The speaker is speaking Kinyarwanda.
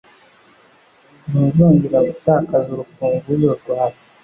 ntuzongera gutakaza urufunguzo rwawe